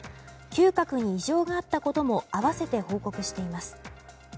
嗅覚に異常があったことも併せて報告しています。